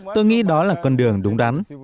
tôi nghĩ đó là con đường đúng